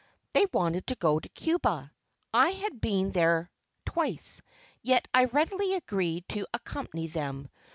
They wanted to go to Cuba. I had been there twice; yet I readily agreed to accompany them.